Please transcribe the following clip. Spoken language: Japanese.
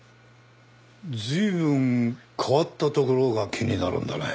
随分変わったところが気になるんだね。